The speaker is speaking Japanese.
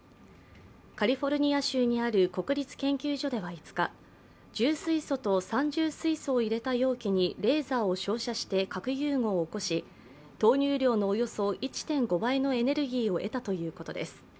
カリフォルニア州にある国立研究所では５日、重水素と三重水素を入れた容器にレーザーを照射して核融合を起こし投入量のおよそ１．５倍のエネルギーを得たということです。